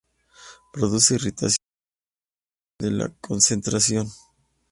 Produce irritación dependiente de la concentración.